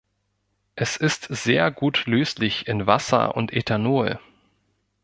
Es ist sehr gut löslich in Wasser und Ethanol.